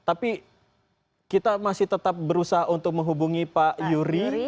tapi kita masih tetap berusaha untuk menghubungi pak yuri